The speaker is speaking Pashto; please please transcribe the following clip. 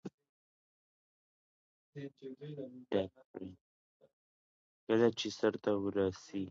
علي ډېر بې زړه انسان دی، وړې معاملې ته لس ورځې سوچونه کوي.